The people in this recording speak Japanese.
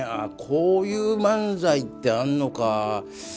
こういう漫才ってあんのか。